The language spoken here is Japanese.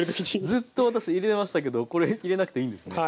ずっと私入れてましたけどこれ入れなくていいんですね。